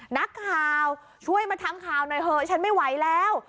นักข่าวช่วยมาทำข่าวหน่อยเถอะฉันไม่ไหวแล้ว